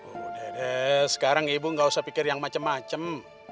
udah sekarang ibu nggak usah pikir yang macem macem